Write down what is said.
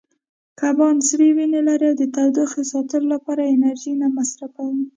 کبان سړې وینې لري او د تودوخې ساتلو لپاره انرژي نه مصرفوي.